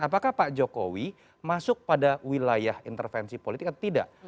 apakah pak jokowi masuk pada wilayah intervensi politik atau tidak